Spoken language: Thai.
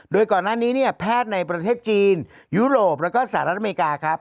โดยก่อนหน้านี้เนี่ยแพทย์ในประเทศจีนยุโรปแล้วก็สหรัฐอเมริกาครับ